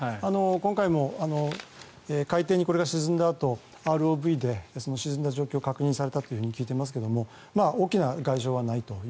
今回も海底にこれが沈んだあと、ＲＯＶで沈んだ状況を確認されたと聞いていますが大きな外傷はないと。